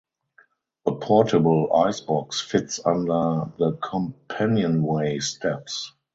A portable icebox fits under the companionway steps.